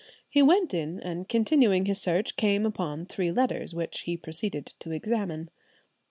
He went in, and continuing his search, came upon three letters, which he proceeded to examine.